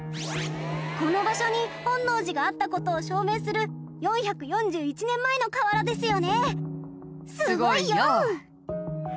この場所に本能寺があった事を証明する４４１年前の瓦ですよね？